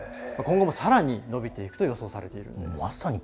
今後もさらに伸びていくと予想されているんです。